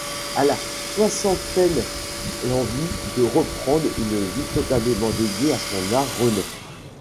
À la soixantaine, l’envie de reprendre une vie totalement dédiée à son art renaît.